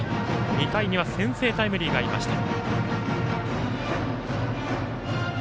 ２回には先制タイムリーがありました。